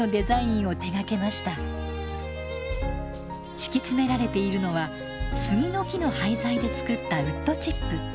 敷き詰められているのは杉の木の廃材で作ったウッドチップ。